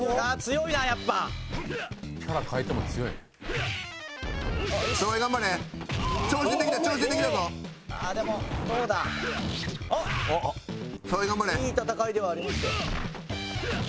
いい戦いではありますよ。